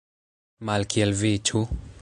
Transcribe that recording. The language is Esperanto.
Malkiel vi, ĉu?